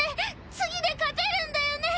次で勝てるんだよね？